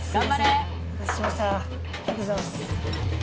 ありがとうございます。